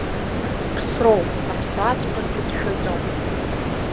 Ԥсроуп, аԥсраҵәҟьа сацәшәаӡом.